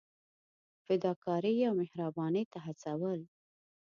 فدا کارۍ او مهربانۍ ته هڅول.